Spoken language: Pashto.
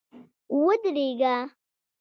ودرېږه!